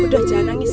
udah jangan nangis